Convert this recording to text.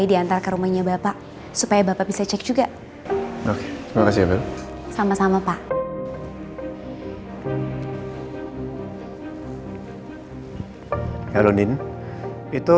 itu hewan kurban yang saya pesan sebentar lagi sampai ruang ini